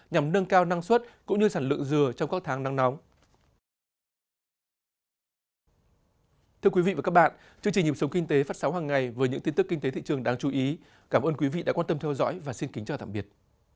nhằm nâng cao năng suất cũng như sản lượng dừa trong các tháng nắng nóng